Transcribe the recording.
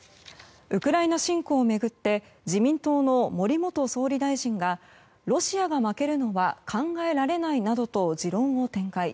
ウクライナ侵攻を巡って自民党の森元総理大臣がロシアが負けるのは考えられないなどと持論を展開。